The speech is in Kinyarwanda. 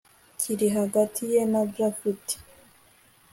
kiri hagati ye na japhet